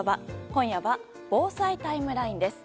今夜は防災タイムラインです。